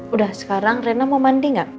udah sekarang rena mau mandi gak